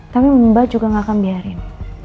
tapi mbak juga gak akan biarin